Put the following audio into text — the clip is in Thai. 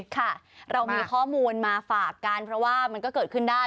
ค่ะเรามีข้อมูลมาฝากกันเพราะว่ามันก็เกิดขึ้นได้